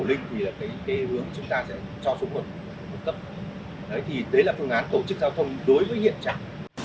đấy thì đấy là phương án tổ chức giao thông đối với hiện trạng